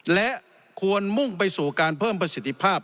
และควรมุ่งไปสู่การเพิ่มประสิทธิภาพ